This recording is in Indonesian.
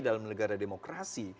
dalam negara demokrasi